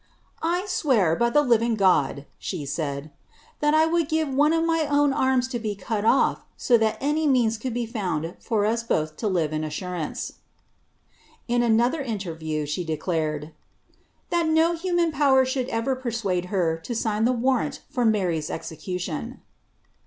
" 1 swear^ by the living God." eaid aU«, '* ttiV would give one of my own amis lo be cut off so that any means cot be found for us both lo live in assurance."' In onother iaierview ■ declared, " that no human |>ower should ever i>er«uade her to i'lga I warrant for Mary's exeention."